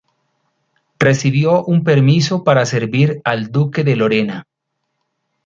Recibió un permiso para servir al duque de Lorena.